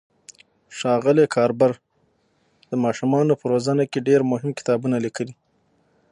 ښاغلي ګاربر د ماشومانو په روزنه کې ډېر مهم کتابونه لیکلي.